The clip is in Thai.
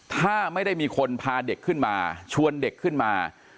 ถ้าไม่ได้มีคนพาเด็กขึ้นมาชวนเด็กขึ้นมา